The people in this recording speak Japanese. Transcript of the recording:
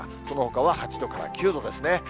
そのほかは８度から９度ですね。